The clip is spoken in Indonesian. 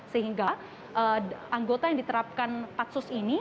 sehingga anggota yang diterapkan patsus ini